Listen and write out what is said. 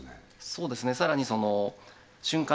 そうですねさらに瞬間